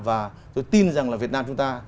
và tôi tin rằng là việt nam chúng ta